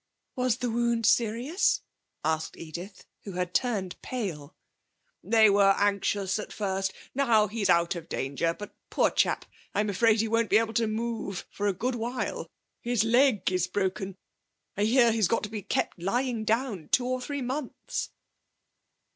'Was the wound serious?' asked Edith, who had turned pale. 'They were anxious at first. Now he's out of danger. But, poor chap, I'm afraid he won't be able to move for a good while. His leg is broken. I hear he's got to be kept lying down two or three months.'